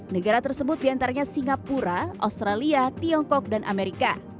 negara tersebut diantaranya singapura australia tiongkok dan amerika